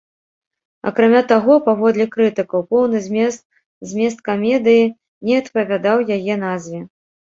Акрамя таго, паводле крытыкаў, поўны змест змест камедыі не адпавядаў яе назве.